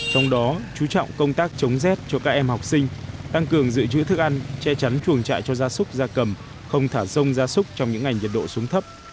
trong đó chú trọng công tác chống rét cho các em học sinh tăng cường dự trữ thức ăn che chắn chuồng trại cho gia súc gia cầm không thả rông gia súc trong những ngày nhiệt độ xuống thấp